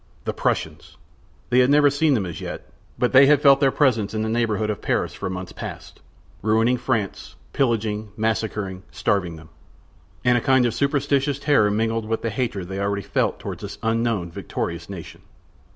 The Prussians! They had never seen them as yet, but they had felt their presence in the neighborhood of Paris for months past—ruining France, pillaging, massacring, starving them. And a kind of superstitious terror mingled with the hatred they already felt toward this unknown, victorious nation.